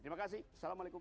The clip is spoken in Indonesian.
terima kasih assalamualaikum